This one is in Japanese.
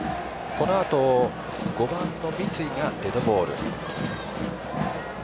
このあと５番の三井がデッドボール。